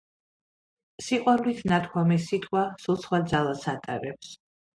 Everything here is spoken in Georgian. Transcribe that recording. სიყვარულით ნათქვამი სიტყვა სულ სხვა ძალას ატარებს.